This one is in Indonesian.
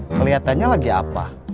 keliatannya lagi apa